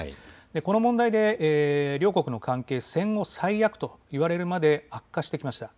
この問題で両国の関係、戦後最悪と言われるまで悪化してきました。